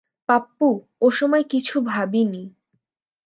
পাপ্পু, ও সময় কিছু ভাবিনি।